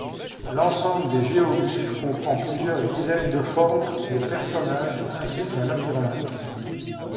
L'ensemble des géoglyphes comprend plusieurs dizaines de formes et personnages, ainsi qu'un labyrinthe.